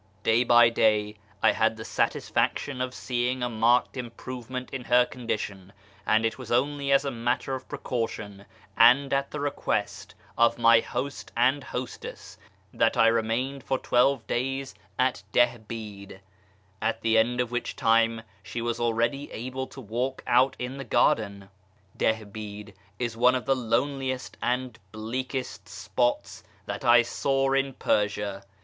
Day by day I had the satisfaction of seeing a marked im provement in her condition, and it was only as a matter of precaution, and at the request of my host and hostess, that I remained for twelve days at Dihbid, at the end of which time she was already able to walk out in the garden. Dihbid is one of the loneliest and bleakest spots that I saw in Persia.